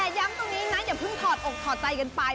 แต่ย้ำตรงนี้นะอย่าเพิ่งถอดอกถอดใจกันไป